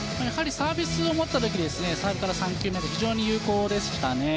サービスを持ったときサーブから３球目非常に有効でしたね。